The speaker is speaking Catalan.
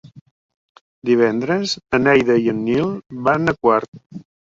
Divendres na Neida i en Nil van a Quart.